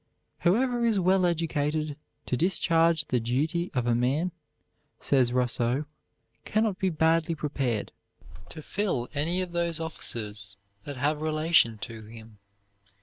"Whoever is well educated to discharge the duty of a man," says Rousseau, "cannot be badly prepared to fill any of those offices that have relation to him.